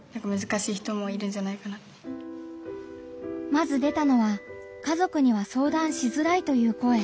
まず出たのは家族には相談しづらいという声。